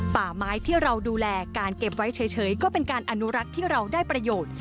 ป่าไม้ที่เราดูแลการเก็บไว้เฉยก็เป็นการอนุรักษ์ที่เราได้ประโยชน์